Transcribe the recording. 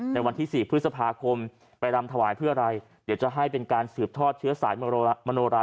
ในวันที่๔พฤษภาคมไปรำถวายเพื่ออะไรเดี๋ยวจะให้เป็นการสืบทอดเชื้อสายมโนรา